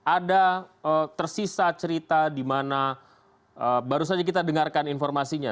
ada tersisa cerita di mana baru saja kita dengarkan informasinya